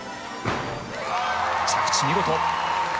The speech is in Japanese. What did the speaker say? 着地、見事。